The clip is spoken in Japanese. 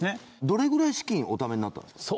どれぐらい資金お貯めになったんですか？